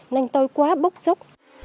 nên tôi quá bức xúc